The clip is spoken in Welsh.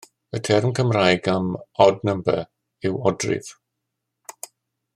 Y term Cymraeg am ‘odd number' yw odrif.